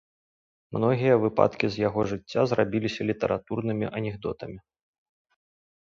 Многія выпадкі з яго жыцця зрабіліся літаратурнымі анекдотамі.